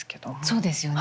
そうですよね。